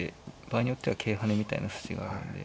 場合によっては桂跳ねみたいな筋があるんで。